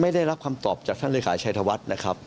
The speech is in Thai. ได้รับคำตอบจากท่านเลขาชัยธวัฒน์นะครับ